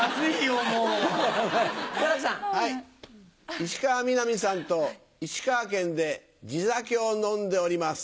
石川みなみさんと石川県で地酒を飲んでおります。